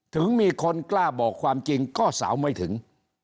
ถึงมีคนกล้าบอกความจริงก็สาวไม่ถึง